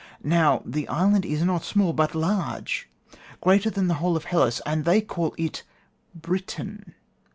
Now, the island is not small, but large, greater than the whole of Hellas; and they call it Britain.